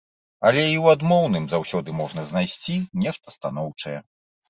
Але і ў адмоўным заўсёды можна знайсці нешта станоўчае.